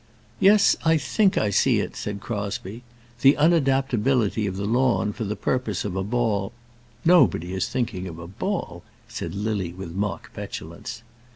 "Yes, I think I see it," said Crosbie. "The unadaptability of the lawn for the purpose of a ball " "Nobody is thinking of a ball," said Lily, with mock petulance.